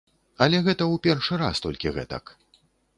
Але гэта ў першы раз толькі гэтак.